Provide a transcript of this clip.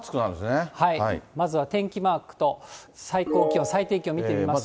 はい、まずは天気マークと、最高気温、最低気温、見てみますと。